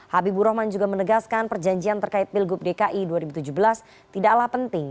habibur rahman juga menegaskan perjanjian terkait pilgub dki dua ribu tujuh belas tidaklah penting